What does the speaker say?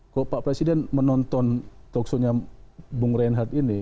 kalau pak presiden menonton toksonya bung reinhardt ini